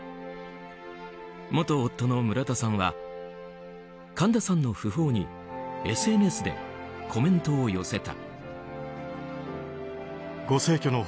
元夫の村田さんは神田さんの訃報にＳＮＳでコメントを寄せた。